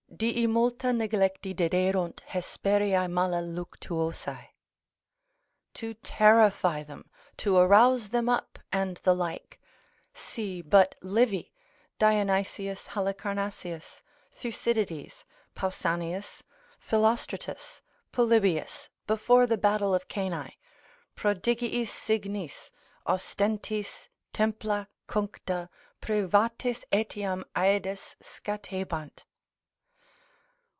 Dii multa neglecti dederunt Hesperiae mala luctuosae, to terrify them, to arouse them up, and the like: see but Livy, Dionysius Halicarnassaeus, Thucydides, Pausanius, Philostratus, Polybius, before the battle of Cannae, prodigiis signis, ostentis, templa cuncta, privates etiam aedes scatebant.